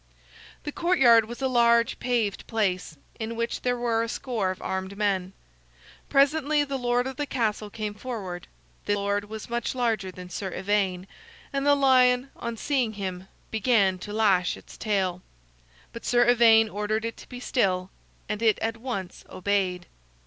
The courtyard was a large paved place, in which there were a score of armed men. Presently the lord of the castle came forward. This lord was much larger than Sir Ivaine, and the lion, on seeing him, began to lash its tail. But Sir Ivaine ordered it to be still, and it at once obeyed.